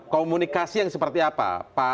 komunikasi yang seperti apa